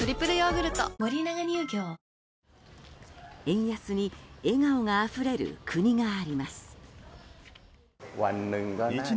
円安に笑顔があふれる国があります。